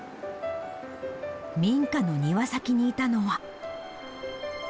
民家の庭先にいたのは。